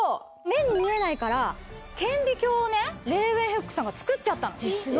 目に見えないから顕微鏡をレーウェンフックさんが作っちゃったの。